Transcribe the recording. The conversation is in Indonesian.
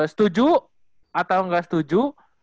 setuju atau gak setuju